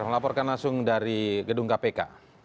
melaporkan langsung dari gedung kpk